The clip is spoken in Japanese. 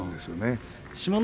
志摩ノ